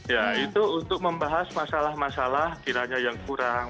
ya itu untuk membahas masalah masalah kiranya yang kurang